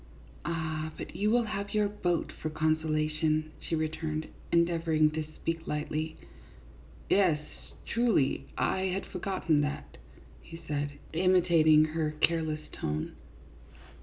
"Ah, but you will have your boat for consola tion," she returned, endeavoring to speak lightly. " Yes, truly, I had forgotten that," he said, imi tating her careless tone.